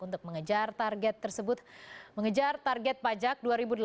untuk mengejar target tersebut mengejar target pajak dua ribu delapan belas